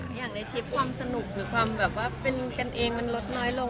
อย่างในทริปความสนุกหรือความแบบว่าเป็นกันเองมันลดน้อยลง